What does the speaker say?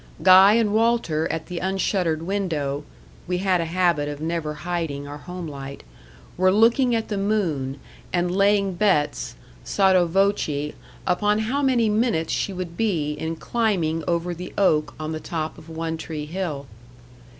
Guy and Walter at the unshuttered window we had a habit of never hiding our home light were looking at the moon, and laying bets, sotto voce, upon how many minutes she would be in climbing over the oak on the top of One tree Hill.